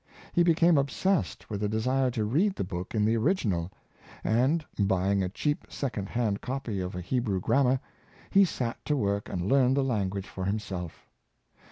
He became possessed with a desire to read the book in the original, and, buying a cheap second hand copy of a Hebrew grammar, he sat to work and learned the lan guage for himself.